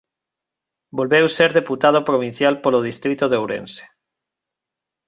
Volveu ser deputado provincial polo distrito de Ourense.